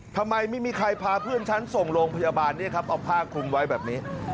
ทำไมไม่มีใครพาเพื่อนฉันส่งโรงพยาบาลเอาผ้าคุมไว้แบบนี้